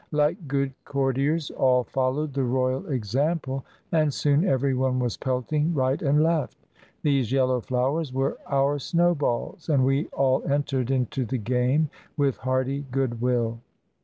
Like good courtiers, all followed the royal example, and soon every one was pelting right and left. These yellow flowers were our snowballs, and we all entered into the game with hearty good will.